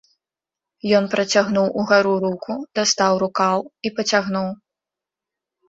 Ён працягнуў угару руку, дастаў рукаў і пацягнуў.